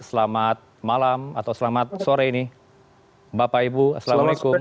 selamat malam atau selamat sore ini bapak ibu assalamualaikum